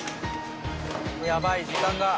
やばい時間が。